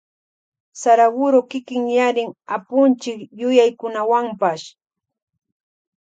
Saraguro kikinyarin Apunchik yuyaykunawanpash.